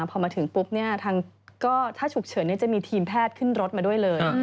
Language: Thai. พอมาถึงปุ๊บถ้าฉุกเฉินจะมีทีมแพทย์ขึ้นรถมาด้วยเลย